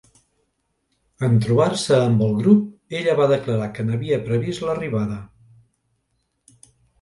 En trobar-se amb el grup, ella va declarar que n'havia previst l'arribada.